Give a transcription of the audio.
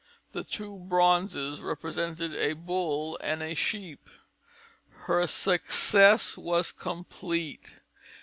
The two bronzes represented a Bull and a Sheep. Her success was complete.